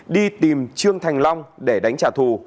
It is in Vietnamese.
đi tìm trương thành long để đánh trả thù